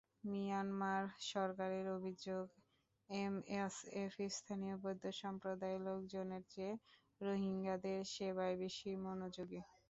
Myanmar সরকারের অভিযোগ, MSF স্থানীয় বৌদ্ধ সম্প্রদায়ের লোকজনের চেয়ে রোহিঙ্গাদের সেবায় বেশি মনোযোগী।